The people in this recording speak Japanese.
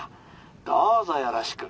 どうぞよろしく」。